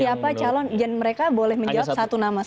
jadi siapa calon yang mereka boleh menjawab satu nama saja